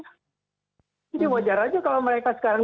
jadi wajar aja kalau mereka sekarang